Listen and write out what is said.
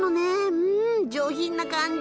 うん上品な感じ！